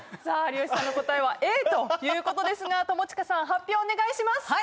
さあ有吉さんの答えはＡということですが友近さん発表をお願いします。